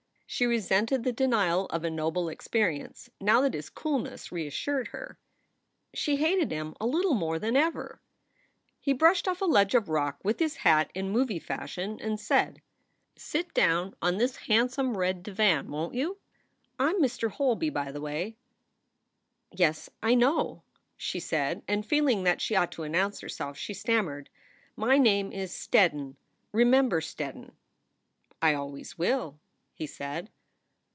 She resented the denial of a noble experience, now that his coolness reassured her. SOULS FOR SALE 81 She hated him a little more than ever. He brushed off a ledge of rock with his hat in movie fashion and said: "Sit dovrn on this handsome red divan, won t you? I m Mr. Holby, by the way." "Yes, I know," she said, and, feeling that she ought to announce herself, she stammered, "My name is Steddon, Remember Steddon." "I always will," he said.